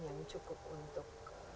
yang cukup untuk